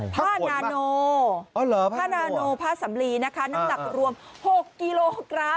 ผ้านาโนผ้านาโนผ้าสำลีนะคะน้ำหนักรวม๖กิโลกรัม